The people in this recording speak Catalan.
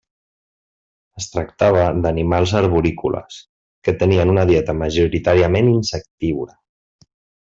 Es tractava d'animals arborícoles que tenien una dieta majoritàriament insectívora.